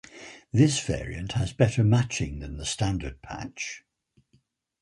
This variant has better matching than the standard patch.